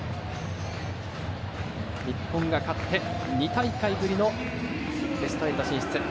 日本が勝って、２大会ぶりのベスト８進出。